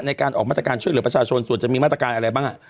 ในการออกมาตรการช่วยเหลือประชาชนส่วนจะมีมาตรการอะไรบ้าง